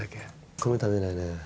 米食べないね。